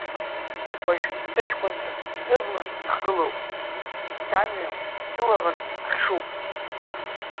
Уажә сыҷкәынцәа сыбла ихгылоуп, сӡамҩа сылаӷырӡ ахьшуп.